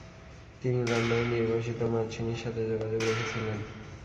তিনি লন্ডনে নির্বাসিত মাৎসিনির সাথে যোগাযোগ রেখেছিলেন।